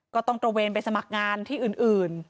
ก็ต้องตระเวนไปสมัครงานที่อื่น